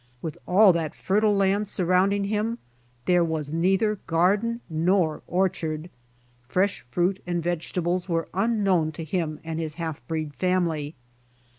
With all that fertile land surrounding him there was neither garden nor orchard. Fresh fruit and vegetables were unknown to him and his half breed family.